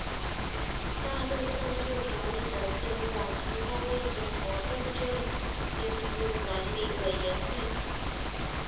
大陆证券交易的监管机构为中国证券监督管理委员会。